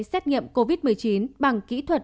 xét nghiệm covid một mươi chín bằng kỹ thuật